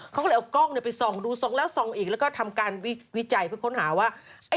เขาก็เลยเอากล้องไปส่องดูส่องแล้วส่องอีกแล้วก็ทำการวิจัยเพื่อค้นหาว่า